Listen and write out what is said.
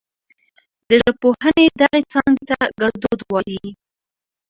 د ژبپوهنې دغې څانګې ته ګړدود وايي.